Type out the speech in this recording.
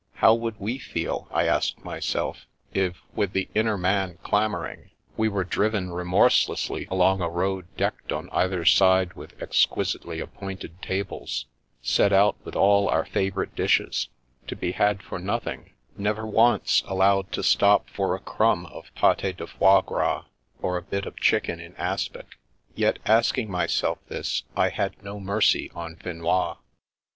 How would we feel, I asked myself, if, with the inner man clamouring, we The Vanishing of the Prince 309 were driven remorselessly along a road decked on either side with exquisitely appointed tables, set out with all our favourite dishes, to be had for nothing — ^never once allowed to stop for a crumb of pate de foie gras, or a bit of chicken in aspic ? Yet asking myself this, I had no mercy on Finois.